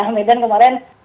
kota medan kemarin